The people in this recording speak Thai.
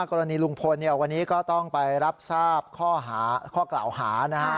กรณีลุงพลวันนี้ก็ต้องไปรับทราบข้อกล่าวหานะฮะ